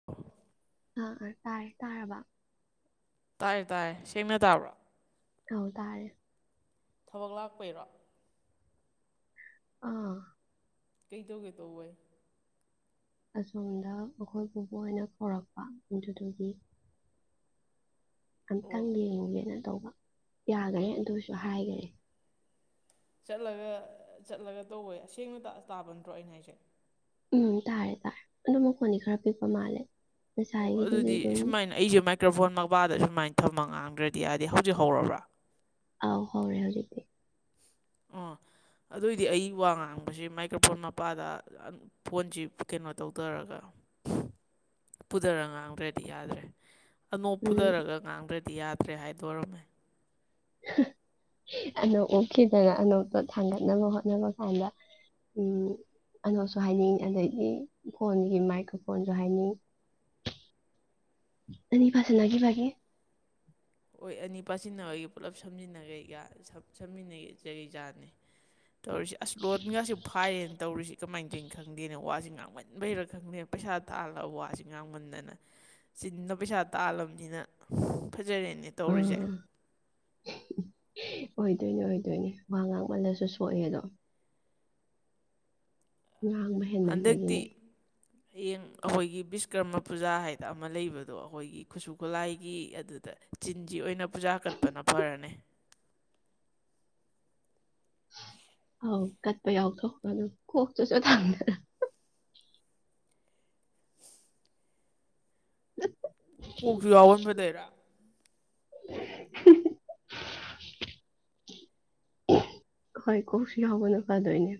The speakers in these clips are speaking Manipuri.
[inaudible] ꯑꯥ ꯑꯥ ꯇꯥꯢꯌꯦ ꯇꯥꯔꯕꯥ ꯇꯥꯏꯌꯦ ꯇꯥꯏꯌꯦ ꯁꯦꯡꯅ ꯇꯥꯕ꯭ꯔꯥ ꯑꯧ ꯇꯥꯔꯦ ꯊꯕꯛ ꯂꯥꯛꯄꯩꯔꯣ ꯑꯥ ꯀꯩ ꯇꯧꯒꯦ ꯇꯧꯕꯩꯅꯣ ꯑꯁꯣꯝꯗ ꯑꯩꯈꯣꯏ ꯄꯨꯕꯨꯍꯣꯏꯅ ꯀꯧꯔꯛꯄ ꯑꯗꯨꯗꯨꯒꯤ ꯑꯣ ꯑꯝꯇꯪ ꯌꯦꯡꯉꯒꯦꯅ ꯇꯧꯕ ꯌꯥꯈ꯭ꯔꯦ ꯑꯗꯨꯁꯨ ꯍꯥꯏꯈ꯭ꯔꯦ ꯆꯠꯂꯒ ꯆꯠꯂꯒ ꯇꯧꯕꯣꯏ ꯑꯁꯦꯡꯕ ꯇꯥꯕ ꯅꯠꯇ꯭ꯔꯣ ꯑꯩꯅ ꯍꯥꯏꯁꯦ ꯎꯝ ꯇꯔꯦ ꯇꯥꯔꯦ ꯑꯗꯨ ꯃꯈꯣꯟꯗꯤ ꯈꯔ ꯄꯤꯛꯄ ꯃꯥꯜꯂꯦ ꯑꯣ ꯉꯁꯥꯏꯒꯤꯗꯨꯗꯤ ꯑꯗꯨꯗꯤ ꯑꯗꯨꯝ ꯁꯨꯃꯥꯏꯅ ꯑꯩꯁꯦ ꯃꯥꯏꯀ꯭ꯔꯣꯐꯣꯟ ꯃꯕꯥꯗ ꯁꯨꯃꯥꯏꯅ ꯊꯝꯃ ꯉꯥꯡꯗ꯭ꯔꯗꯤ ꯌꯥꯗꯦ ꯍꯧꯖꯤꯛ ꯍꯧꯔꯕ꯭ꯔꯥ ꯑꯥ ꯍꯧꯔꯦ ꯍꯧꯖꯤꯛꯇꯤ ꯑꯣ ꯑꯗꯨꯑꯣꯏꯗꯤ ꯑꯩ ꯋꯥ ꯉꯥꯡꯕꯁꯤ ꯃꯥꯏꯀ꯭ꯔꯣꯐꯣꯟ ꯃꯄꯥꯗ ꯐꯣꯟꯁꯤ ꯀꯩꯅꯣ ꯇꯧꯊꯔꯒ ꯄꯨꯊꯔ ꯉꯥꯡꯗ꯭ꯔꯗꯤ ꯌꯥꯗ꯭ꯔꯦ ꯑꯅꯣꯞ ꯎꯝ ꯄꯨꯊꯔꯒ ꯉꯥꯡꯗ꯭ꯔꯗꯤ ꯌꯥꯗ꯭ꯔꯦ ꯍꯥꯏꯗꯣꯔꯝꯃꯦ ꯑꯅꯣꯞ ꯎꯞꯈꯤꯗꯅ ꯑꯅꯣꯞꯇꯣ ꯊꯥꯡꯒꯠꯅꯕ ꯍꯣꯠꯅꯕ ꯀꯥꯟꯗ ꯑꯅꯣꯞꯁꯨ ꯍꯥꯏꯅꯤꯡ ꯑꯗꯩꯗꯤ ꯐꯣꯟꯒꯤ ꯃꯥꯏꯀ꯭ꯔꯣꯐꯣꯟꯁꯨ ꯍꯥꯏꯅꯩ ꯑꯅꯤ ꯄꯁꯤꯟꯅ ꯈꯤꯕꯒꯤ ꯍꯣꯢ ꯑꯅꯤ ꯄꯥꯁꯤꯟꯅꯕꯒꯤ ꯄꯨꯂꯞ ꯁꯝꯖꯤꯟꯅ ꯁꯝꯖꯤꯟꯅꯒꯩ ꯖꯥꯠꯅꯤ ꯇꯧꯔꯤꯁꯦ ꯑꯁꯁ ꯂꯣꯜꯒꯁꯦ ꯐꯥꯔꯦꯅ ꯇꯧꯔꯤꯁꯦ ꯀꯃꯥꯏꯅ ꯇꯧꯔꯤꯅꯣ ꯈꯪꯗꯦꯅꯦ ꯋꯥꯁꯤ ꯉꯥꯡꯃꯟꯕꯩꯔ ꯈꯪꯗꯦ ꯄꯩꯁꯥ ꯇꯥꯜꯂꯒ ꯋꯥꯁꯤ ꯉꯥꯡꯃꯟꯗꯅ ꯆꯤꯟꯅ ꯄꯩꯁꯥ ꯇꯥꯜꯂꯕꯅꯤꯅ ꯐꯖꯔꯦꯅꯦ ꯇꯧꯔꯤꯁꯦ ꯎꯝ ꯑꯣꯏꯗꯣꯏꯅꯦ ꯑꯣꯏꯗꯣꯏꯅꯦ ꯋꯥ ꯉꯥꯡꯃꯜꯂꯁꯨ ꯁꯣꯛꯑꯦ ꯑꯦꯗꯣ ꯉꯥꯡꯃꯦ ꯍꯟꯗꯛꯇꯤ ꯍꯌꯦꯡ ꯑꯩꯈꯣꯏꯒꯤ ꯕꯤꯁꯀꯔꯃ ꯄꯨꯖꯥ ꯍꯥꯏꯗꯅ ꯑꯃ ꯂꯩꯕꯗꯣ ꯑꯩꯈꯣꯏꯒꯤ ꯈꯨꯠꯁꯨ ꯈꯨꯠꯂꯥꯏꯒꯤ ꯑꯗꯨꯗ ꯆꯤꯟꯖꯤ ꯑꯣꯏꯅ ꯄꯨꯖꯥ ꯀꯠꯄꯅ ꯐꯔꯅꯤ ꯑꯥꯎ ꯀꯠꯄ ꯌꯥꯎꯊꯣꯛꯈ꯭ꯔꯣ ꯑꯗꯨ ꯀꯣꯛꯇꯨꯁꯨ ꯊꯗ ꯀꯣꯛꯁꯨ ꯌꯥꯎꯍꯟꯒꯗꯩꯔꯥ [unintelligible] ꯍꯣꯢ ꯀꯣꯛꯁꯤ ꯌꯥꯎꯕꯅ ꯐꯥꯗꯣꯏꯅꯦ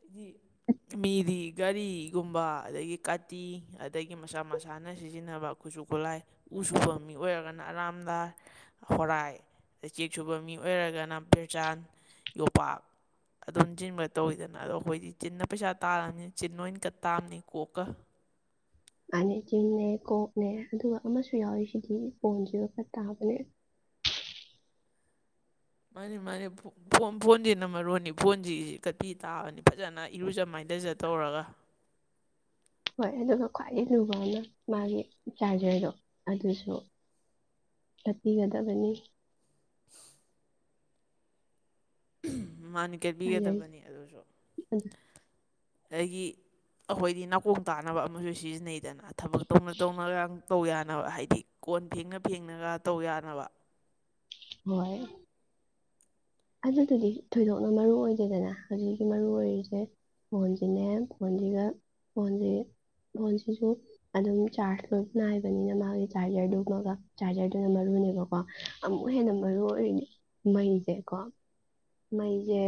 ꯗꯒꯤ [unintelligible] ꯃꯤꯗꯤ ꯒꯥꯔꯤꯒꯨꯝꯕ ꯑꯗꯒꯤ ꯀꯥꯇꯤ ꯑꯗꯒꯤ ꯃꯁꯥ ꯃꯁꯥꯅ ꯁꯤꯖꯤꯟꯅꯕ ꯈꯨꯠꯁꯨ ꯈꯨꯠꯂꯥꯏ ꯎ ꯁꯨꯕ ꯃꯤ ꯑꯣꯏꯔꯒꯅ ꯑꯔꯥꯝꯗꯥꯟ ꯍꯣꯔꯥꯏ ꯆꯦꯛ ꯁꯨꯕ ꯃꯤ ꯑꯣꯏꯔꯒꯅ ꯕꯤꯔꯆꯥꯟ ꯌꯣꯄꯥꯛ ꯑꯗꯨꯝ ꯆꯤꯟꯒ ꯇꯧꯋꯤꯗꯅ ꯑꯗꯣ ꯑꯩꯈꯣꯏꯗꯤ ꯆꯤꯟꯅ ꯄꯩꯁꯥ ꯇꯥꯔꯕꯅꯤꯅ ꯆꯤꯟ ꯑꯣꯏꯅ ꯀꯥꯠ ꯇꯥꯕꯅꯤ ꯀꯣꯛꯀ ꯅꯥꯅꯦ ꯆꯤꯡꯅꯦ ꯀꯣꯛꯅꯦ ꯑꯗꯨꯒ ꯑꯃꯁꯨ ꯌꯥꯎꯔꯤ ꯁꯤꯗꯤ ꯐꯣꯟꯁꯤꯒ ꯈꯔ ꯇꯥꯕꯅꯦ ꯃꯥꯅꯦ ꯃꯥꯅꯦ ꯐꯣꯟ ꯐꯣꯟ ꯐꯣꯟꯁꯤꯅ ꯃꯔꯣꯟꯅꯤ ꯐꯣꯟꯁꯤ ꯀꯇꯤ ꯇꯥꯕꯅꯤ ꯐꯖꯅ ꯏꯔꯨꯖ ꯃꯥꯏꯊꯖ ꯇꯧꯔꯒ ꯍꯣꯏ ꯑꯗꯨꯒ ꯈ꯭ꯋꯥꯏꯗꯒꯤ ꯂꯨꯕ ꯑꯃꯅ ꯃꯥꯒꯤ ꯆꯥꯔꯖꯔꯗꯣ ꯑꯗꯨꯁꯨ ꯆꯠꯄꯤꯒꯗꯕꯅꯤ [inaudible] ꯃꯥꯅ ꯆꯥꯔꯖꯔ ꯀꯦꯕꯤꯒꯗꯕꯅꯤ ꯑꯗꯨꯁꯨ ꯑꯩꯒꯤ ꯑꯩꯈꯣꯏꯗꯤ ꯅꯥꯀꯣꯟ ꯇꯥꯅꯕ ꯑꯃꯁꯨ ꯁꯤꯖꯤꯟꯅꯩꯗꯅ ꯊꯕꯛ ꯇꯧꯅ ꯇꯧꯅꯒ ꯇꯧ ꯌꯥꯅꯕ ꯍꯥꯏꯗꯤ ꯀꯣꯟ ꯐꯦꯡꯉ ꯐꯦꯡꯉꯒ ꯇꯧ ꯌꯥꯅꯕ ꯍꯣꯏ ꯑꯗꯨꯗꯨꯗꯤ ꯊꯣꯏꯗꯣꯛꯅ ꯃꯔꯨ ꯑꯣꯏꯗꯦꯗꯅ ꯍꯧꯖꯤꯛꯀꯤ ꯃꯔꯨ ꯑꯣꯏꯔꯤꯁꯦ ꯐꯣꯟꯁꯤꯅꯦ ꯐꯣꯟꯁꯤꯒ ꯐꯣꯟꯁꯤ ꯐꯣꯟꯁꯤꯁꯨ ꯑꯗꯨꯝ ꯆꯥꯔꯖ ꯂꯣꯏ ꯅꯥꯏꯕꯅꯤꯅ ꯃꯥꯒꯤ ꯆꯥꯔꯖꯔꯗꯨ ꯑꯃꯒ ꯆꯥꯔꯖꯔꯗꯨꯅ ꯃꯔꯨꯅꯦꯕꯀꯣ ꯑꯃꯨꯛ ꯍꯦꯟꯅ ꯃꯔꯨ ꯑꯣꯏꯔꯤꯅ ꯃꯩꯁꯦꯀꯣ ꯃꯩꯁꯦ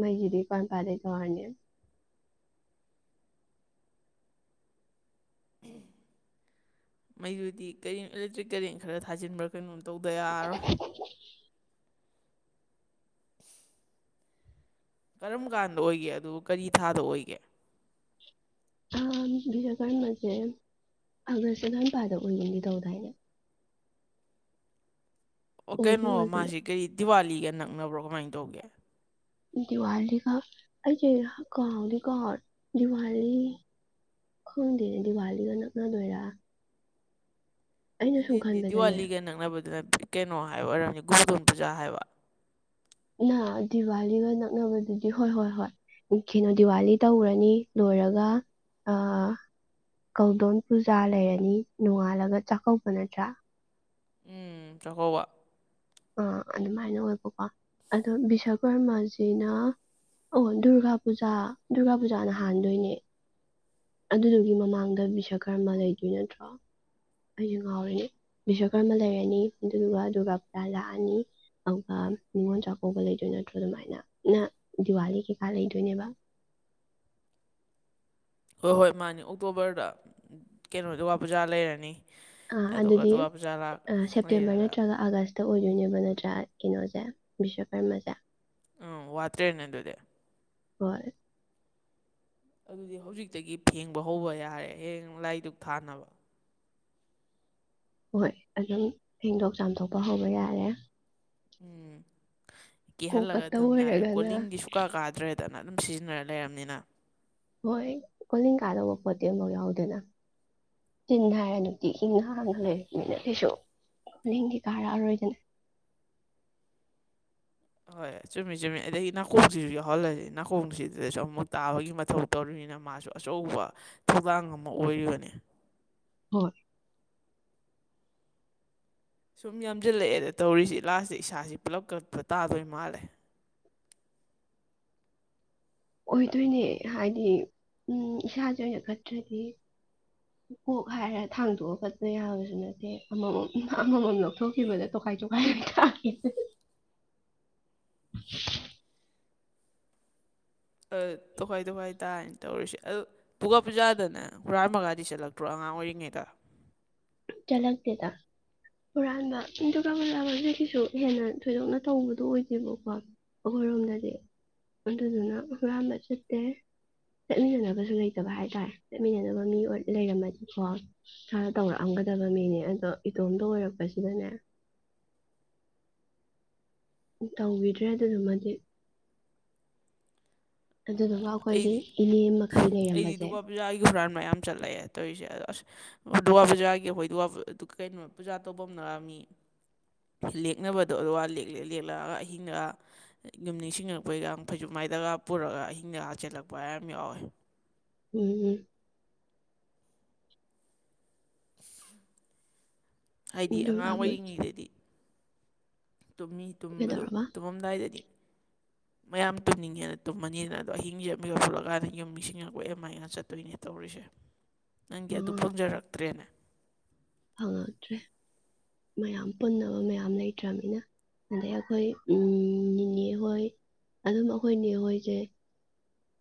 ꯃꯩꯒꯤꯗꯤ [unintelligible] [unintelligible] ꯃꯩꯗꯨꯗꯤ ꯀꯔꯤ ꯑꯦꯂꯦꯛꯇ꯭ꯔꯤꯛ ꯀꯔꯦꯟ ꯈꯔ ꯊꯥꯖꯤꯟꯕ꯭ꯔꯥ ꯀꯩꯅꯣꯝ ꯇꯧꯗꯔꯥ ꯌꯥꯔꯔꯣꯏ [unintelligible] ꯀꯔꯝ ꯀꯥꯟꯗ ꯑꯣꯏꯒꯦ ꯑꯗꯨꯒ ꯀꯔꯤ ꯊꯥꯗ ꯑꯣꯏꯒꯦ ꯑꯥ ꯕꯤꯁꯀꯥꯟꯥꯟꯕꯁꯦ ꯑꯥꯒꯁ ꯀꯥꯟꯄꯥꯗ ꯑꯣꯏꯒꯅꯤ ꯇꯧꯗꯥꯏꯅꯦ ꯑꯣ ꯑꯣꯏꯗꯤ ꯀꯩꯅꯣ ꯑꯣꯏꯕꯅꯦ ꯃꯥꯁꯤ ꯀꯔꯤ ꯗꯤꯋꯥꯂꯤꯒ ꯅꯛꯅꯕ꯭ꯔꯣ ꯀꯃꯥꯏꯅ ꯇꯧꯒꯦ ꯗꯤꯋꯥꯂꯤꯒ ꯑꯩꯁꯦ ꯀꯥꯎꯗꯤ ꯀꯥꯎꯔꯦ ꯗꯤꯋꯥꯂꯤ ꯈꯪꯗꯅꯦ ꯗꯤꯋꯥꯂꯤꯒ ꯅꯛꯅꯗꯣꯏꯔꯥ ꯑꯩꯅ ꯅꯠꯇꯦ ꯁꯨꯝ ꯅꯠꯇꯦ ꯈꯟꯕꯗꯅꯦ ꯗꯤꯋꯥꯂꯤꯒ ꯅꯛꯅꯕꯗꯨꯅ ꯀꯩꯅꯣ ꯍꯥꯏꯕ ꯑꯣꯏꯔꯝꯗꯤ ꯒꯣꯕꯨꯗꯣꯝ ꯄꯨꯖꯥ ꯍꯥꯏꯕ ꯅ ꯗꯤꯋꯥꯂꯤꯒ ꯅꯛꯅꯕꯗꯨꯗꯤ ꯍꯣꯏ ꯍꯣꯏ ꯍꯣꯏ ꯀꯩꯅꯣ ꯗꯤꯋꯥꯂꯤ ꯇꯧꯔꯅꯤ ꯂꯣꯏꯔꯒ ꯑꯥ ꯀꯧꯗꯣꯟ ꯄꯨꯖꯥ ꯂꯩꯔꯅꯤ ꯅꯣꯡꯉꯥꯜꯂꯒ ꯆꯥꯛꯀꯧꯕ ꯅꯠꯇ꯭ꯔꯥ ꯎꯝ ꯆꯥꯛꯀꯧꯕ ꯑꯥ ꯑꯗꯨꯃꯥꯏꯅ ꯑꯣꯏꯕꯀꯣ ꯑꯗꯣ ꯕꯤꯁꯀꯔꯃꯥꯖꯤꯅ ꯑꯣ ꯗꯨꯔꯒꯥ ꯄꯨꯖꯥ ꯗꯨꯔꯒꯥ ꯄꯨꯖꯥꯅ ꯍꯥꯟꯗꯣꯏꯅꯦ ꯑꯗꯨꯗꯨꯒꯤ ꯃꯃꯥꯡꯗ ꯕꯤꯁ ꯀꯔꯃ ꯂꯩꯗꯣꯏ ꯅꯠꯇ꯭ꯔꯣ ꯑꯩꯁꯨ ꯉꯥꯎꯔꯅꯤ ꯕꯤꯁꯀꯔꯃ ꯂꯩꯔꯅꯤ ꯑꯗꯨꯗꯨꯒ ꯑꯗꯨꯒ ꯄꯨꯖꯥ ꯂꯥꯛꯑꯅꯤ ꯑꯗꯨꯒ ꯅꯤꯉꯣꯜ ꯆꯥꯛꯀꯧꯕ ꯂꯩꯗꯣꯏ ꯅꯠꯇ꯭ꯔꯣ ꯑꯗꯨꯃꯥꯏꯅ ꯗꯤꯋꯥꯂꯤ ꯀꯩꯀꯥ ꯂꯩꯗꯣꯏꯅꯦꯕ ꯍꯣꯏ ꯍꯣꯏ ꯃꯥꯅꯤ ꯑꯣꯛꯇꯣꯕꯔꯗ ꯀꯩꯅꯣ ꯗꯨꯔꯒꯥ ꯄꯨꯖꯥ ꯂꯩꯔꯅꯤ ꯑꯥ ꯑꯗꯨꯒ ꯑꯗꯨꯗꯤ ꯗꯨꯔꯒꯥ ꯄꯨꯖꯥ ꯂꯥꯛ ꯁꯦꯞꯇꯦꯝꯕꯔ ꯂꯩꯔꯒ ꯅꯠꯇ꯭ꯔꯒ ꯑꯥꯒꯁ ꯑꯣꯏꯗꯣꯏꯅꯦꯕ ꯅꯠꯇ꯭ꯔꯥ ꯀꯩꯅꯣꯁꯦ ꯕꯤꯁꯀꯔꯃꯁꯦ ꯎꯝ ꯋꯥꯇꯔꯦꯅꯦ ꯑꯗꯨꯗꯤ ꯍꯣꯏ ꯑꯗꯨꯗꯤ ꯍꯧꯖꯤꯛꯇꯒꯤ ꯐꯦꯡꯕ ꯍꯧꯕ ꯌꯥꯔꯦ ꯍꯌꯦꯡ ꯂꯥꯏ-ꯗꯨꯛ ꯊꯥꯅꯕ ꯍꯣꯏ ꯑꯗꯨꯝ ꯐꯦꯡꯗꯣꯛ ꯆꯥꯝꯊꯣꯛꯄ ꯍꯧꯕ ꯌꯥꯔꯦ꯫ ꯎꯝ ꯀꯤꯍꯜꯂꯒ ꯀꯣꯛꯀꯇ ꯊꯝ ꯌꯥꯔꯦ ꯑꯣꯏꯔꯒꯅ ꯀꯣꯂꯤꯡꯒꯤꯁꯨ ꯁꯨꯡꯀꯥ ꯀꯥꯗ꯭ꯔꯦꯗꯅ ꯑꯗꯨꯝ ꯁꯤꯖꯤꯟꯅꯔ ꯂꯩꯔꯕꯅꯤꯅ ꯍꯣꯏ ꯀꯣꯂꯤꯡ ꯀꯥꯗꯧꯕ ꯄꯣꯠꯇꯤ ꯑꯃꯐꯥꯎ ꯌꯥꯎꯗꯅ ꯇꯤꯟ ꯍꯥꯏꯔ ꯅꯨꯡꯇꯤ ꯏꯤꯡꯅ ꯂꯩꯕꯅꯤꯅ ꯀꯩꯁꯨ ꯀꯡꯗꯤ ꯀꯥꯔꯛꯑꯔꯣꯏꯗꯅ ꯍꯣꯏ ꯆꯨꯝꯃꯤ ꯆꯨꯝꯃꯤ ꯑꯗꯒꯤ ꯅꯥꯀꯣꯡꯁꯤꯁꯨ ꯌꯥꯎꯍꯜꯂꯁꯤ ꯅꯥꯀꯣꯡꯁꯤꯗꯁꯨ ꯑꯃꯨꯛ ꯇꯥꯕꯒꯤ ꯃꯊꯧ ꯇꯧꯔꯤꯕꯅꯤꯅ ꯃꯥꯁꯨ ꯑꯆꯧꯕ ꯊꯧꯗꯥꯡ ꯑꯃ ꯑꯣꯏꯔꯤꯕꯅꯤ ꯍꯣꯏ ꯁꯨꯝ ꯌꯥꯝꯁꯤꯜꯂꯛꯑꯦꯗ ꯇꯧꯔꯤꯁꯤ ꯂꯥꯁꯇ ꯏꯁꯥꯁꯤ ꯄꯨꯂꯞ ꯀꯛꯄ ꯇꯥꯗꯣꯏ ꯃꯥꯜꯂꯦ ꯑꯣꯏꯗꯣꯏꯅꯦ ꯍꯥꯏꯗꯤ ꯎꯝ ꯏꯁꯥꯁꯦ ꯑꯣꯏꯅ ꯀꯠꯇ꯭ꯔꯗꯤ [inaudible] ꯀꯣꯛ ꯍꯥꯏꯔ ꯊꯥꯡꯗꯣꯛꯑ ꯈꯠꯄ ꯌꯥꯕꯁꯨ ꯅꯠꯇꯦ ꯑꯃꯃꯝ ꯑꯃꯃꯝ ꯂꯧꯊꯣꯛꯈꯤꯕꯗ ꯇꯣꯈꯥꯢ ꯇꯣꯈꯥꯢ ꯂꯣꯢ ꯇꯥꯒꯤꯗꯅ ꯇꯣꯈꯥꯏ ꯇꯣꯈꯥꯏ ꯇꯥꯏꯅ ꯇꯧꯔꯁꯦ ꯑꯗꯣ ꯄꯨꯒꯥ ꯄꯨꯖꯥꯗꯅꯦ ꯍꯨꯔꯥꯟꯕꯒꯗꯤ ꯆꯠꯂꯛꯇ꯭ꯔꯣ ꯑꯉꯥꯡ ꯑꯣꯏꯔꯤꯉꯩꯗ ꯆꯠꯂꯛꯗꯦꯗ ꯍꯨꯔꯥꯟꯕ ꯑꯗꯨꯒ ꯗꯨꯔꯒꯥ ꯄꯨꯖꯥꯒꯥꯁꯦ ꯀꯩꯁꯨ ꯍꯦꯟꯅ ꯊꯣꯏꯗꯣꯛꯅ ꯇꯧꯕꯗꯨꯣ ꯑꯣꯏꯗꯦꯕꯀꯣ ꯑꯈꯣꯏꯔꯣꯝꯗꯗꯤ ꯑꯗꯨꯗꯨꯅ ꯍꯨꯔꯥꯟꯕ ꯆꯠꯇꯦ ꯆꯠꯃꯤꯟꯅꯔꯒꯁꯨ ꯂꯩꯇꯕ ꯍꯥꯏꯇꯥꯔꯦ ꯆꯠꯃꯤꯟꯅꯅꯕ ꯃꯤ ꯑꯣꯏ ꯂꯩꯔꯝꯃꯗꯤꯀꯣ [unintelligible] ꯇꯧꯔꯛ ꯄꯥꯝꯒꯗꯕ ꯃꯤꯅꯦ ꯑꯗꯣ ꯏꯇꯣꯝꯇ ꯑꯣꯏꯔꯛ ꯄꯁꯤꯗꯅꯦ ꯇꯧꯕꯤꯗ꯭ꯔꯦ ꯑꯗꯨꯗꯨꯃꯗꯤ ꯑꯗꯨꯗꯣ ꯉꯥꯎ ꯑꯩꯈꯣꯏꯒꯤ ꯑꯩꯗꯤ ꯏꯅꯦ ꯃꯈꯩ ꯑꯩꯗꯤ ꯂꯩꯔꯝꯕꯖꯦ ꯗꯨꯔꯒꯥ ꯄꯨꯖꯥꯒꯤ ꯍꯨꯔꯥꯟ ꯃꯌꯥꯝ ꯆꯠꯂꯛꯑꯦ ꯇꯧꯔꯤꯁꯦ ꯑꯗꯣ ꯑꯁ ꯗꯨꯔꯒꯥ ꯄꯨꯖꯥꯒꯤ ꯑꯩꯈꯣꯏ ꯗꯨꯒꯥ ꯄꯨ ꯀꯩꯅꯣ ꯄꯨꯖꯥ ꯇꯧꯕꯝꯅꯔ ꯃꯤ ꯂꯦꯛꯅꯕꯗꯣ ꯑꯗꯨꯒ ꯂꯦꯛ ꯂꯦꯛ ꯂꯦꯛꯂꯛꯑꯒ ꯑꯍꯤꯡꯗꯒ ꯌꯨꯝ ꯅꯤꯡꯁꯤꯡꯉꯛꯄꯩꯒ ꯐꯩꯖꯨꯞ ꯃꯥꯏꯗꯥꯒ ꯄꯨꯔꯒ ꯑꯍꯤꯡꯗ ꯍꯥ ꯆꯦꯜꯂꯛꯄ ꯍꯥꯏ ꯌꯥꯝ ꯌꯥꯎꯋꯦ ꯎꯝ ꯎꯝ ꯍꯥꯏꯗꯤ ꯑꯉꯥꯡ ꯗꯨꯔꯒꯥꯕꯨ ꯑꯣꯏꯔꯤꯉꯩꯗꯗꯤ ꯇꯨꯝꯃꯤ ꯇꯨꯝꯕꯗꯣ ꯀꯩꯗꯧꯔꯕ ꯇꯨꯝꯃꯝꯗꯥꯏꯗꯗꯤ ꯃꯌꯥꯝ ꯇꯨꯝꯅꯤꯡꯉꯦꯅ ꯇꯨꯝꯃꯅꯤꯗꯅ ꯑꯗꯣ ꯑꯍꯤꯡꯖꯦ ꯃꯤꯀꯞ ꯊꯣꯛꯂꯛꯀꯥꯟꯗ ꯌꯨꯝ ꯅꯤꯡꯁꯤꯡꯉꯛꯄꯩ ꯑꯃꯥꯏꯅꯒ ꯆꯠꯇꯣꯏꯅꯦ ꯇꯧꯔꯤꯁꯦ ꯅꯪꯒꯤ ꯑꯗꯨ ꯑꯥ ꯐꯪꯖꯔꯛꯇ꯭ꯔꯦꯅꯦ ꯐꯪꯉꯛꯇ꯭ꯔꯦ ꯃꯌꯥꯝ ꯄꯨꯟꯅꯕ ꯃꯌꯥꯝ ꯂꯩꯇ꯭ꯔꯃꯤꯅ ꯑꯗꯩ ꯑꯩꯈꯣꯏ ꯎꯝ ꯅꯤꯅꯦꯍꯣꯏ ꯑꯗꯨꯝ ꯑꯩꯈꯣꯏ ꯅꯦꯍꯣꯏꯁꯦ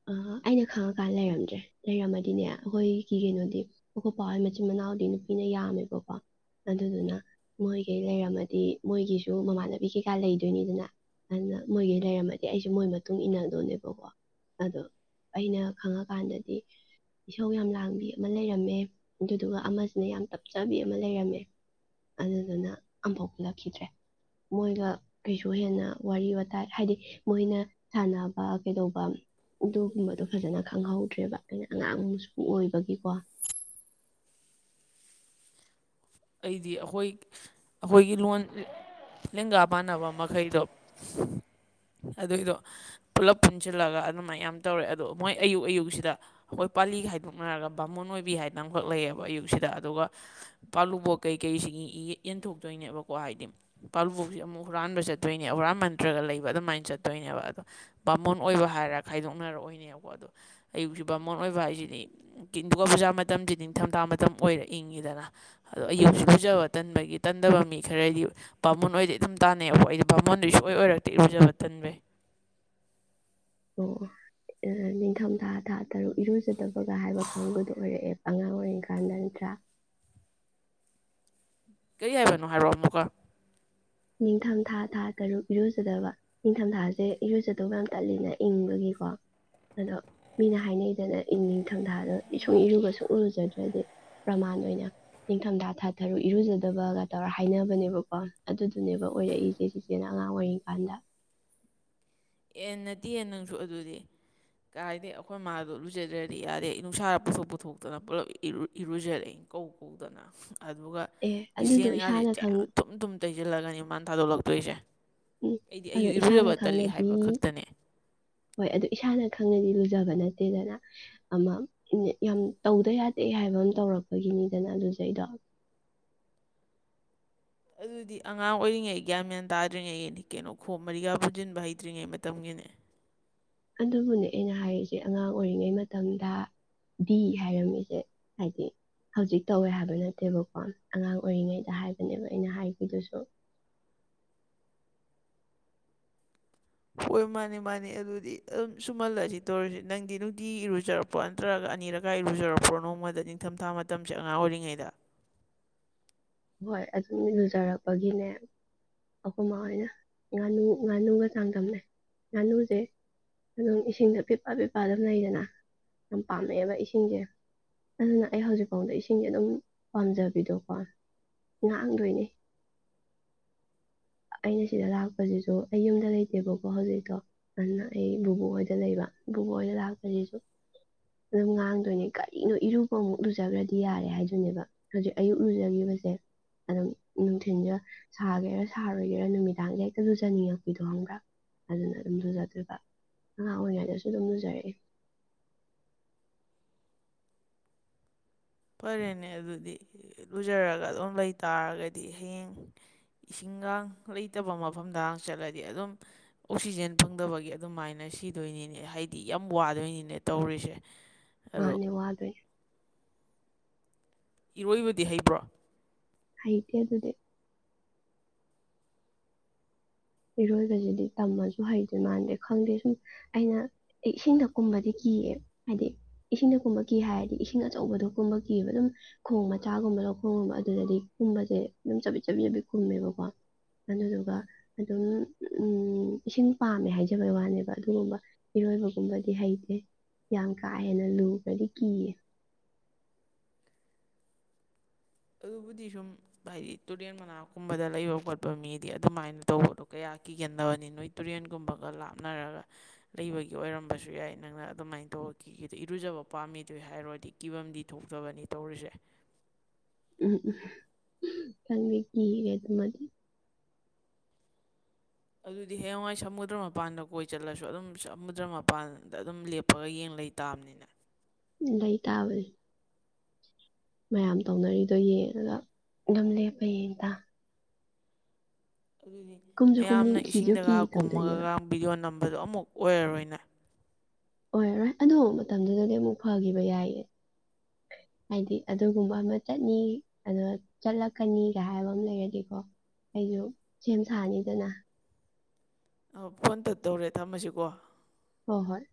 ꯑꯥ ꯑꯩꯅ ꯈꯪꯉꯛꯀꯥꯟ ꯂꯩꯔꯝꯗ꯭ꯔꯦ ꯂꯩꯔꯝꯃꯗꯤꯅꯦ ꯑꯩꯈꯣꯏꯒꯤ ꯀꯩꯅꯣꯗꯤ ꯑꯩꯈꯣꯏ ꯄꯥꯍꯣꯏ ꯃꯆꯤꯟ ꯃꯅꯥꯎꯗꯤ ꯅꯨꯄꯤꯅ ꯌꯥꯝꯃꯦꯕꯀꯣ ꯑꯗꯨꯗꯨꯅ ꯃꯣꯏꯒꯩ ꯂꯩꯔꯝꯃꯗꯤ ꯃꯣꯏꯒꯤꯁꯨ ꯃꯃꯥꯟꯅꯕꯤ ꯀꯩꯀꯥ ꯂꯩꯗꯣꯏꯅꯤꯗꯅ ꯑꯗꯨꯅ ꯃꯣꯏꯒꯩ ꯂꯩꯔꯝꯃꯗꯤ ꯑꯩꯁꯨ ꯃꯣꯏ ꯃꯇꯨꯡ ꯏꯟꯅꯗꯣꯅꯦꯕꯀꯣ ꯑꯗꯣ ꯑꯩꯅ ꯈꯪꯉꯛꯀꯥꯟꯗꯗꯤ ꯏꯁꯧ ꯌꯥꯝ ꯂꯥꯡꯕꯤ ꯑꯃ ꯂꯩꯔꯝꯃꯦ ꯑꯗꯨꯗꯨꯒ ꯑꯃꯁꯤꯅ ꯌꯥꯝ ꯇꯞꯆꯕꯤ ꯑꯃ ꯂꯩꯔꯝꯃꯦ ꯑꯗꯨꯗꯨꯅ ꯑꯝꯐꯥꯎ ꯄꯨꯜꯂꯛꯈꯤꯗ꯭ꯔꯦ ꯃꯣꯏꯒ ꯀꯩꯁꯨ ꯍꯦꯟꯅ ꯋꯥꯔꯤ ꯋꯥꯇꯥꯏ ꯍꯥꯏꯗꯤ ꯃꯣꯏꯅ ꯁꯥꯟꯅꯕ ꯀꯩꯗꯧꯕ ꯑꯗꯨꯒꯨꯝꯕꯗꯣ ꯐꯖꯅ ꯈꯪꯍꯧꯗ꯭ꯔꯦꯕ ꯑꯩꯅ ꯑꯉꯥꯡ ꯃꯁꯨ ꯑꯣꯏꯕꯒꯤꯀꯣ ꯑꯩꯗꯤ ꯑꯈꯣꯏ ꯑꯈꯣꯏꯒꯤ ꯂꯣꯟ ꯂꯦꯡꯒꯥ ꯃꯥꯟꯅꯕ ꯃꯈꯩꯗꯣ ꯑꯗꯨꯏꯗꯣ ꯄꯨꯂꯞ ꯄꯨꯟꯁꯤꯜꯂꯒ ꯑꯗꯨꯃꯥꯏ ꯌꯥꯝ ꯇꯧꯔꯦ ꯑꯗꯣ ꯃꯣꯏ ꯑꯌꯨꯛ ꯑꯌꯨꯛꯁꯤꯗ ꯑꯈꯣꯏ ꯄꯥꯂꯤ ꯈꯥꯏꯗꯣꯛꯅꯔꯒ ꯕꯥꯃꯣꯟ ꯑꯣꯏꯕꯤ ꯍꯥꯏꯅ ꯑꯃꯈꯛ ꯂꯩꯌꯦꯕ ꯑꯌꯨꯛꯁꯤꯗ ꯑꯗꯨꯒ ꯄꯥꯜꯂꯨꯕꯣꯠ ꯀꯩꯀꯩꯁꯤꯒꯤ ꯌꯦ ꯌꯦꯟꯊꯣꯛꯇꯣꯏꯅꯦꯕꯀꯣ ꯍꯥꯏꯗꯤ ꯄꯥꯜꯂꯨꯕꯣꯛꯁꯤ ꯑꯃꯨꯛ ꯍꯨꯔꯥꯟꯕ ꯆꯠꯇꯣꯏꯅꯦ ꯍꯨꯔꯥꯟ ꯃꯟꯇ꯭ꯔꯒ ꯂꯩꯕ ꯑꯗꯨꯃꯥꯏꯅ ꯆꯠꯇꯣꯏꯅꯦꯕ ꯑꯗꯣ ꯕꯥꯃꯣꯟ ꯑꯣꯏꯕ ꯍꯥꯏꯔ ꯈꯥꯏꯗꯣꯛꯅꯔ ꯑꯣꯏꯅꯦꯕꯀꯣ ꯑꯗꯣ ꯑꯌꯨꯛꯁꯤ ꯕꯥꯃꯣꯟ ꯑꯣꯏꯕ ꯍꯥꯏꯁꯤꯗꯤ ꯀꯤꯟ ꯗꯨꯒꯥ ꯄꯨꯖꯥ ꯃꯇꯝꯁꯤ ꯅꯤꯡꯊꯝꯊꯥ ꯃꯇꯝ ꯑꯣꯏꯔ ꯏꯪꯉꯤꯗꯅ ꯑꯗꯣ ꯎꯝ ꯑꯌꯨꯛꯁꯨ ꯂꯨꯖꯕ ꯇꯟꯕꯒꯤ ꯇꯟꯗꯕ ꯃꯤ ꯈꯔꯗꯤ ꯕꯥꯃꯣꯟ ꯑꯣꯏꯗꯩ ꯑꯗꯨꯝ ꯇꯥꯟꯅꯩꯑꯕꯀꯣ ꯑꯩꯗꯤ ꯕꯥꯃꯣꯟꯗꯤ ꯁꯨꯡꯑꯣꯏ ꯑꯣꯏꯔꯛꯇꯦ ꯏꯔꯨꯖꯕ ꯇꯟꯕꯩ ꯑꯣ ꯑꯣ ꯇꯥ ꯅꯤꯡꯊꯝꯊꯥ ꯊꯥ ꯇꯔꯨꯛ ꯏꯔꯨꯖꯗꯕꯒ ꯍꯥꯏꯕ ꯀꯥꯡꯒꯨꯗꯣ ꯑꯣꯏꯔꯛꯑꯦ ꯑꯉꯥꯡ ꯑꯣꯏꯔꯤꯀꯥꯟꯗ ꯅꯠꯇ꯭ꯔꯥ ꯀꯔꯤ ꯍꯥꯏꯕꯅꯣ ꯍꯥꯏꯔꯣ ꯑꯃꯨꯛꯀ ꯅꯤꯡꯊꯝꯊꯥ ꯊꯥ ꯇꯔꯨꯛ ꯏꯔꯨꯖꯗꯕ ꯅꯤꯡꯊꯝꯊꯥꯁꯦ ꯏꯔꯨꯖꯗꯧꯕ ꯌꯥꯝ ꯇꯜꯂꯤꯅ ꯏꯪꯕꯒꯤꯀꯣ ꯑꯗꯣ ꯃꯤꯅ ꯍꯥꯏꯅꯩꯗꯅ ꯏꯪ ꯅꯤꯡꯊꯝꯊꯥꯗ ꯏ ꯁꯨꯡ ꯏꯔꯨꯒ ꯁꯨꯡꯎ ꯂꯨꯖꯗ꯭ꯔꯗꯤ ꯄ꯭ꯔꯃꯥꯟ ꯑꯣꯏꯅ ꯅꯤꯡꯊꯝꯊꯥ ꯊꯥ ꯊꯔꯨꯛ ꯏꯔꯨꯖꯗꯕꯒ ꯇꯧꯔ ꯍꯥꯏꯅꯕꯅꯦꯕꯀꯣ ꯑꯗꯨꯗꯨꯅꯦꯕ ꯑꯣꯏꯔꯛꯏꯁꯦ ꯆꯤꯆꯦꯅ ꯑꯉꯥꯡ ꯑꯣꯏꯔꯤꯀꯥꯟꯗ ꯑꯦ ꯅꯠꯇꯤꯌꯦ ꯅꯪꯁꯨ ꯑꯗꯨꯗꯤ ꯀꯥꯏꯗꯩ ꯑꯈꯣꯏ ꯃꯥꯗꯣ ꯂꯨꯖꯗ꯭ꯔꯗꯤ ꯌꯥꯗꯦ ꯑꯩ ꯅꯨꯡꯁꯥꯗ ꯄꯨꯊꯣꯛ ꯄꯨꯊꯣꯛꯇꯅ ꯄꯨꯂꯞ ꯏꯔꯨ ꯏꯔꯨꯖꯔꯛꯏ ꯀꯧ ꯀꯧꯗꯅ ꯑꯗꯨꯒ ꯑꯦ ꯑꯗꯨꯗꯣ ꯒꯤꯁꯂꯦꯟꯒꯥꯁꯦ ꯏꯁꯥꯅ ꯈꯪ ꯆꯌꯥꯝ ꯊꯨꯝ ꯊꯨꯝ ꯇꯩꯁꯤꯜꯂꯒꯅꯤ ꯃꯥꯅ ꯊꯥꯗꯣꯛꯂꯛꯇꯣꯏꯁꯦ ꯎꯝ ꯑꯩꯗꯤ ꯑꯗꯣ ꯑꯌꯨꯛ ꯏꯁꯥꯅ ꯏꯔꯨꯖꯔꯕ ꯇꯠꯂꯤ ꯈꯪꯅꯗꯤ ꯍꯥꯏꯕ ꯈꯛꯇꯅꯦ ꯍꯣꯏ ꯑꯗꯨ ꯏꯁꯥꯅ ꯈꯪꯅꯗꯤ ꯂꯨꯖꯕ ꯅꯠꯇꯦꯗꯅ ꯑꯃ ꯌꯥꯝ ꯇꯧꯗ ꯌꯥꯗꯦ ꯍꯥꯏꯕ ꯑꯃ ꯇꯧꯔꯛꯄꯒꯤꯅꯤꯗꯅ ꯑꯗꯨꯁꯦ ꯑꯩꯗꯣ ꯑꯗꯨꯗꯤ ꯑꯉꯥꯡ ꯑꯣꯏꯔꯤꯉꯩ ꯒ꯭ꯌꯥꯟ ꯃꯌꯥꯟ ꯇꯥꯗ꯭ꯔꯤꯉꯩꯅꯤ ꯀꯩꯅꯣ ꯈꯣꯞ ꯃꯔꯤꯒ ꯄꯨꯁꯤꯟꯕ ꯍꯩꯇ꯭ꯔꯤꯉꯩ ꯃꯇꯝꯒꯤꯅꯦ ꯑꯗꯨꯕꯨꯅꯦ ꯑꯩꯅ ꯍꯥꯏꯔꯤꯁꯦ ꯑꯉꯥꯡ ꯑꯣꯏꯔꯤꯉꯩ ꯃꯇꯝꯗ ꯗꯤ ꯍꯥꯏꯔꯝꯃꯤꯁꯦ ꯍꯥꯏꯗꯤ ꯍꯧꯖꯤꯛ ꯇꯧꯋꯦ ꯍꯥꯏꯕ ꯅꯠꯇꯦꯕꯀꯣ ꯑꯉꯥꯡ ꯑꯣꯏꯔꯤꯉꯩꯗ ꯍꯥꯏꯕꯅꯦꯕ ꯑꯩꯅ ꯍꯥꯏꯈꯤꯕꯗꯨꯁꯨ ꯍꯣꯏ ꯃꯥꯅꯦ ꯃꯥꯅꯦ ꯑꯗꯨꯗꯤ ꯑꯗꯨꯝ ꯁꯨꯝꯍꯜꯂꯁꯤ ꯇꯧꯔꯁꯤ ꯅꯪꯗꯤ ꯅꯨꯡꯇꯤ ꯏꯔꯨꯖꯔꯕ ꯅꯠꯇ꯭ꯔꯒ ꯑꯅꯤꯔꯛꯀꯥ ꯏꯔꯨꯖꯔꯄ꯭ꯔꯣ ꯅꯣꯡꯃꯗ ꯅꯤꯡꯊꯝꯊꯥ ꯃꯇꯝꯁꯦ ꯑꯉꯥꯡ ꯑꯣꯏꯔꯤꯉꯩꯗ ꯍꯣꯏ ꯑꯗꯨꯝ ꯂꯨꯖꯔꯛꯄꯒꯤꯅꯦ ꯑꯩꯈꯣꯏꯕꯣꯏꯅ ꯉꯥꯅꯨ ꯉꯥꯅꯨꯒ ꯆꯥꯡꯗꯝꯅꯩ ꯉꯥꯅꯨꯁꯦ ꯑꯗꯨꯝ ꯏꯁꯤꯡꯗ ꯄꯤꯄ ꯄꯦꯄ ꯑꯗꯨꯝ ꯂꯩꯗꯅ ꯌꯥꯝ ꯄꯥꯝꯃꯛꯑꯦꯕ ꯏꯁꯤꯡꯁꯦ ꯑꯗꯨꯅ ꯑꯩ ꯍꯧꯖꯤꯛꯐꯥꯎꯗ ꯏꯁꯤꯡꯁꯦ ꯑꯗꯨꯝ ꯄꯥꯝꯖꯕꯤꯗꯣꯀꯣ ꯉꯥꯡꯗꯣꯏꯅꯦ [inaudible] ꯑꯩꯅ ꯁꯤꯗ ꯂꯥꯛꯄꯁꯤꯁꯨ ꯑꯩ ꯌꯨꯝꯗ ꯂꯩꯇꯦꯕꯀꯣ ꯍꯧꯖꯤꯛꯇꯣ ꯑꯗꯨꯅ ꯑꯩ ꯕꯣꯕꯣꯛ ꯍꯣꯏꯗ ꯂꯩꯕ ꯕꯣꯕꯣꯛ ꯍꯣꯏꯗ ꯂꯥꯛꯄꯥꯁꯤꯁꯨ ꯑꯗꯨꯝ ꯉꯥꯡꯗꯣꯏꯅꯦ ꯀꯔꯤꯅꯣ ꯏꯔꯨꯕ ꯑꯃꯨꯛ ꯂꯨꯖꯈ꯭ꯔꯗꯤ ꯌꯥꯔꯦ ꯍꯥꯏꯗꯨꯅꯦꯕ ꯍꯧꯖꯤꯛ ꯑꯌꯨꯛ ꯂꯨꯖꯈꯤꯕꯁꯦ ꯑꯗꯨꯝ ꯅꯨꯡꯊꯤꯟꯁꯨ ꯁꯥꯒꯦꯔꯥ ꯁꯥꯔꯣꯏꯒꯦꯔꯥ ꯅꯨꯃꯤꯗꯥꯡꯗ ꯍꯦꯛꯇ ꯂꯨꯖꯅꯤꯡꯉꯛꯄꯗꯣ ꯈꯪꯕ꯭ꯔꯥ ꯑꯗꯨꯅ ꯑꯗꯨꯝ ꯂꯨꯖꯗꯣꯏꯕ ꯑꯉꯥꯡ ꯑꯣꯏꯔꯤꯉꯩꯗꯁꯨ ꯑꯗꯨꯝ ꯂꯨꯖꯔꯛꯏꯦ ꯐꯔꯦꯅꯦ ꯑꯗꯨꯗꯤ ꯂꯨꯖꯔꯒ ꯑꯗꯨꯝ ꯂꯩꯇꯥꯥꯔꯒꯗꯤ ꯍꯌꯦꯡ ꯏꯁꯤꯡꯒꯥ ꯂꯩꯇꯕ ꯃꯐꯝꯗ ꯆꯠꯂꯗꯤ ꯑꯗꯨꯝ ꯑꯣꯛꯁꯤꯖꯦꯟ ꯐꯪꯗꯕꯒꯤ ꯑꯗꯨꯃꯥꯏꯅ ꯁꯤꯗꯣꯏꯅꯤꯅꯦ ꯍꯥꯏꯗꯤ ꯌꯥꯝ ꯋꯥꯗꯣꯏꯅꯤꯅꯦ ꯇꯧꯔꯤꯁꯦ [unintelligible] ꯃꯥꯅꯦ ꯋꯥꯗꯣꯏꯅꯤ ꯏꯔꯣꯏꯕꯗꯤ ꯍꯩꯕ꯭ꯔꯣ ꯍꯥꯏꯗꯤ ꯑꯗꯨꯗꯤ ꯏꯔꯣꯏꯕꯁꯤꯗꯤ ꯇꯝꯃꯁꯨ ꯍꯩꯗꯣꯏ ꯃꯥꯟꯅꯗꯦ ꯈꯪꯗꯦ ꯁꯨꯝ ꯑꯩꯅ ꯏꯁꯤꯡꯗ ꯀꯨꯝꯕꯗꯤ ꯀꯤꯌꯦ ꯍꯥꯏꯗꯤ ꯏꯁꯤꯡꯗ ꯀꯨꯝꯕ ꯀꯤ ꯍꯥꯏꯔꯗꯤ ꯏꯁꯤꯡ ꯑꯆꯧꯕꯗꯣ ꯀꯨꯝꯕ ꯀꯤꯕ ꯑꯗꯨꯝ ꯈꯣꯡ ꯃꯆꯥꯒꯨꯝꯕ ꯂꯧꯈꯣꯡꯒꯨꯝꯕ ꯑꯗꯨꯗꯗꯤ ꯀꯨꯝꯕꯁꯦ ꯑꯗꯨꯝ ꯆꯠꯕꯤꯠ ꯆꯥꯕꯤ ꯆꯠꯕꯤꯠ ꯈꯨꯝꯃꯦꯕꯀꯣ ꯑꯗꯨꯗꯨꯒ ꯑꯗꯨꯝ ꯎꯝ ꯏꯁꯤꯡ ꯄꯥꯝꯃꯦ ꯍꯥꯏꯖꯕꯩ ꯋꯥꯅꯦꯕ ꯑꯗꯨꯒꯨꯝꯕ ꯏꯔꯣꯏꯕꯒꯨꯝꯕꯗꯤ ꯍꯩꯇꯦ ꯌꯥꯝ ꯀꯥ ꯍꯦꯟꯅ ꯂꯨꯕꯗꯤ ꯀꯤꯌꯦ ꯑꯗꯨꯕꯨꯗꯤ ꯁꯨꯝ ꯍꯥꯏꯗꯤ ꯇꯨꯔꯦꯟ ꯃꯅꯥꯛꯀꯨꯝꯕꯗ ꯂꯩꯕ ꯈꯣꯠꯄ ꯃꯤꯗꯤ ꯑꯗꯨꯃꯥꯏꯅ ꯇꯧꯕꯗꯣ ꯀꯌꯥ ꯀꯤꯒꯗꯕꯅꯤ ꯅꯣꯏ ꯇꯨꯔꯦꯟꯒꯨꯝꯕꯒ ꯂꯥꯞꯅꯔꯒ ꯂꯩꯕꯒꯤ ꯑꯣꯏꯔꯝꯕꯁꯨ ꯌꯥꯏ ꯅꯪꯅ ꯑꯗꯨꯃꯥꯏꯅ ꯇꯧꯔꯗꯤ ꯏꯔꯨꯖꯕ ꯄꯥꯝꯃꯤꯗꯨ ꯍꯥꯏꯔꯨꯔꯗꯤ ꯀꯤꯐꯝꯝꯗꯤ ꯊꯣꯛꯇꯕꯅꯤ ꯇꯧꯔꯤꯁꯦ ꯈꯪꯗꯦ ꯀꯤꯌꯦ ꯑꯗꯨꯃꯥꯢ ꯑꯗꯨꯗꯤ ꯍꯌꯦꯡꯋꯥꯏ ꯁꯃꯨꯗ꯭ꯔ ꯃꯄꯥꯟꯗ ꯀꯣꯏ ꯆꯠꯂꯁꯨ ꯑꯗꯨꯝ ꯁꯃꯨꯗ꯭ꯔ ꯃꯄꯥꯟꯗ ꯑꯗꯨꯝ ꯂꯦꯞꯄꯒ ꯌꯦꯡ ꯂꯩ ꯇꯥꯕꯅꯤꯅꯦ ꯂꯩꯇꯥꯥꯕꯅꯦ ꯃꯌꯥꯝ ꯇꯧꯅꯔꯤꯗꯣ ꯌꯦꯡꯉꯥꯒ ꯑꯗꯨꯝ ꯂꯦꯞꯄ ꯌꯦꯡ ꯂꯩꯇꯥꯃꯤ ꯑꯗꯨꯗꯤ ꯀꯨꯝꯁꯨ ꯀꯨꯝꯅꯤꯡ ꯃꯌꯥꯝꯅ ꯀꯤꯁꯨ ꯀꯤ ꯏꯁꯤꯡꯗꯒꯥ ꯇꯧꯗꯣꯏꯅꯦꯕ ꯀꯨꯝꯃꯒꯒ ꯚꯤꯗꯤꯑꯣ ꯅꯝꯕꯗꯣ ꯑꯃꯨꯛ ꯑꯣꯏꯔꯔꯣꯏ ꯅꯪ ꯑꯣꯏꯔꯔꯣꯏ ꯑꯗꯣ ꯃꯇꯝꯗꯨꯗꯗꯤ ꯑꯃꯨꯛ ꯐꯒꯤꯕ ꯌꯥꯏꯌꯦ ꯍꯥꯏꯗꯤ ꯑꯗꯨꯒꯨꯝꯕ ꯑꯃ ꯆꯠꯅꯤ ꯑꯗꯨꯒ ꯆꯠꯂꯛꯀꯅꯤꯒ ꯍꯥꯏꯕ ꯑꯃ ꯂꯩꯔꯗꯤꯀꯣ ꯑꯩꯖꯨ ꯁꯦꯝ ꯁꯥꯅꯤꯗꯅ ꯑꯥꯎ ꯐꯣꯟ ꯇꯠꯇꯧꯔꯦ ꯊꯝꯃꯁꯤꯀꯣ ꯍꯣ ꯍꯣꯏ